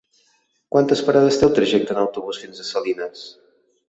Quantes parades té el trajecte en autobús fins a Salines?